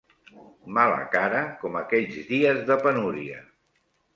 Mala cara com aquells dies de penúria